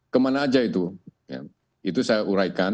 kemana aja itu itu saya uraikan